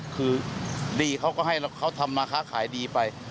คือดีเขาก็ให้เขาทำมาค้าขายดีไป